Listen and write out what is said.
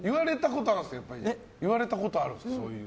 言われたことあるんですか？